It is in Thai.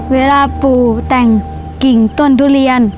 เวลาปู่แต่งกิ่งต้นทุเรียน